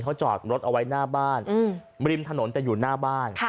เขาจอดรถเอาไว้หน้าบ้านริมถนนแต่อยู่หน้าบ้าน